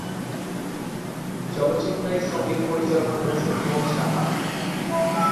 চলচ্চিত্রের সঙ্গীত পরিচালনা করেছেন ইমন সাহা।